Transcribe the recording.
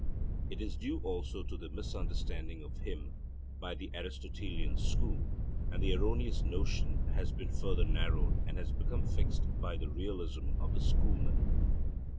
It is due also to the misunderstanding of him by the Aristotelian school; and the erroneous notion has been further narrowed and has become fixed by the realism of the schoolmen.